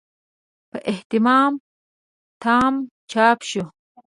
په اهتمام تام چاپ شو.